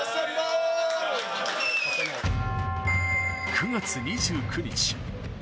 ９月２９日。